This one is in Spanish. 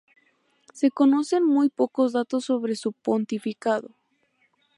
Se conocen muy pocos datos sobre su pontificado.